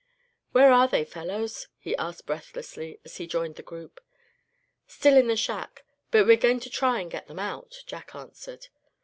"Where are they, fellows?" he asked, breathlessly, as he joined the group. "Still in the shack, but we're going to try and get them out," Jack answered.